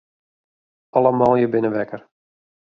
Alle manlju binne wekker.